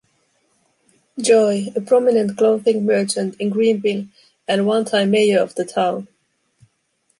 Joy, a prominent clothing merchant in Greenville and one-time mayor of the town.